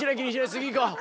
次いこう。